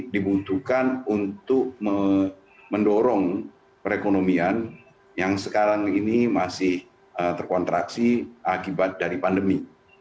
dibutuhkan untuk mendorong perekonomian yang sekarang ini masih terkontraksi akibat dari pandemi